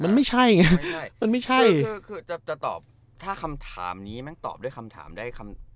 มันไม่ใช่ไงมันไม่ใช่คือจะตอบถ้าคำถามนี้แม่งตอบด้วยคำถามได้คำ